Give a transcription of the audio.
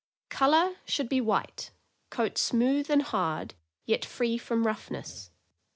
Color should be white; coat smooth and hard, yet free from roughness.